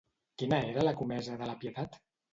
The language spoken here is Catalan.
Quina era la comesa de la Pietat?